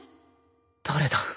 誰だ？